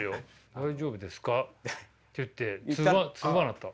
「大丈夫ですか？」って言って通話なった。